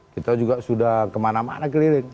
kita juga sudah kemana mana keliling